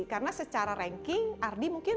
karena secara ranking ardi mungkin